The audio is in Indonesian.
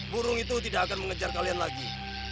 burung itu tidak akan mengejar kalian lagi